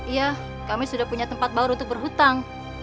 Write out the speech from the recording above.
iya kami sudah punya tempat baru untuk berhutang